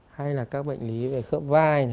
hay là các cái bệnh lý về thói hóa cuộc sống cổ này